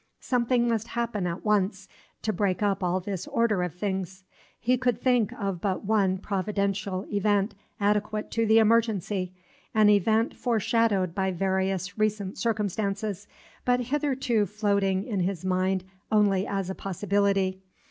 Something must happen at once to break up all this order of things. He could think of but one Providential event adequate to the emergency, an event foreshadowed by various recent circumstances, but hitherto floating in his mind only as a possibility.